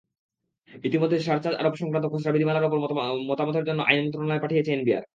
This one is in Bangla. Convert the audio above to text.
ইতিমধ্যে সারচার্জ আরোপ-সংক্রান্ত খসড়া বিধিমালার ওপর মতামতের জন্য আইন মন্ত্রণালয়ে পাঠিয়েছে এনবিআর।